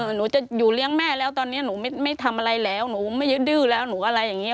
หนูจะอยู่เลี้ยงแม่แล้วตอนนี้หนูไม่ทำอะไรแล้วหนูไม่ดื้อแล้วหนูอะไรอย่างนี้